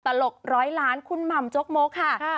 ตลกร้อยล้านคุณหม่ำจกมกค่ะ